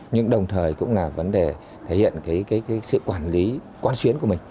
nhưng đồng thời cũng là vấn đề thể hiện sự quản lý quan xuyến của mình